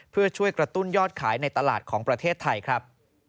เพื่อช่วยกระตุ้นยอดขายในตลาดของประเทศไทยครับ